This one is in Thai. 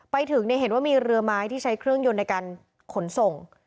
ไปถึงเห็นว่ามีเรือไม้ที่ใช้เครื่องยนต์ในการขนส่ง